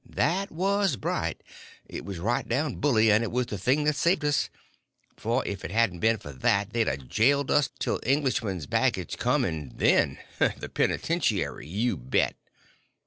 That was bright—it was right down bully; and it was the thing that saved us. For if it hadn't been for that they'd a jailed us till them Englishmen's baggage come—and then—the penitentiary, you bet!